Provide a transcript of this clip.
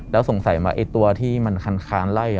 แล้วสงสัยว่าไอ้ตัวที่มันคานไล่